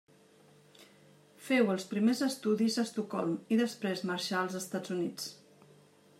Féu els primers estudis a Estocolm i després marxà als Estats Units.